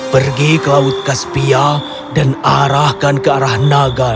pergi ke laut kaspia dan arahkan ke arah naga